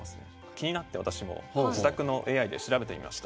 気になって私も自宅のＡＩで調べてみました。